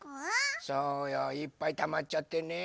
そうよいっぱいたまっちゃってね